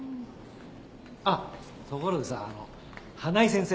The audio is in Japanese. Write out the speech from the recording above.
あっところでさあの花井先生